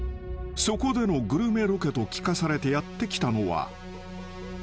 ［そこでのグルメロケと聞かされてやって来たのは］